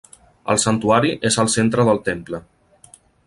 El santuari és al centre del temple.